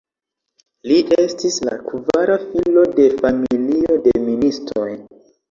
Li estis la kvara filo de familio de ministoj.